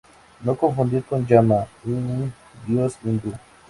No confundir con Yama, un dios hindú.